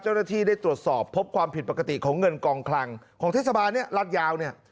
เจ้าหน้าที่ได้ตรวจสอบพบความผิดปกติของเงินกองคลังของเทศบาลเนี่ยรัฐยาวเนี่ย